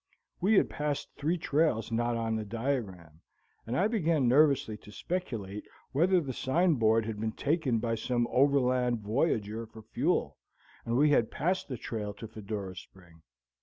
We had passed three trails not on the diagram, and I began nervously to speculate whether the sign board had been taken by some overland voyager for fuel and we had passed the trail to Fedora Spring.